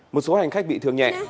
một số hành khách bị thương nhẹ